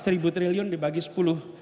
rp satu dibagi rp sepuluh seratus